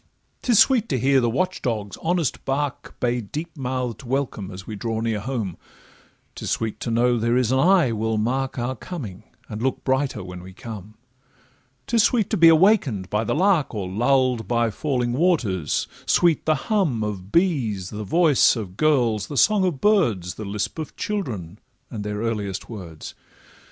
'Tis sweet to hear the watch dog's honest bark Bay deep mouth'd welcome as we draw near home; 'Tis sweet to know there is an eye will mark Our coming, and look brighter when we come; 'Tis sweet to be awaken'd by the lark, Or lull'd by falling waters; sweet the hum Of bees, the voice of girls, the song of birds, The lisp of children, and their earliest words.